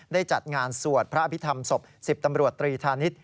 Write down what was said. จัดงานสวดพระอภิษฐรรมศพ๑๐ตำรวจตรีธานิษฐ